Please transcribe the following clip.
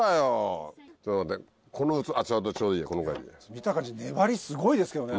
見た感じ粘りすごいですけどね。